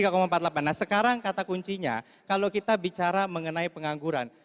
nah sekarang kata kuncinya kalau kita bicara mengenai pengangguran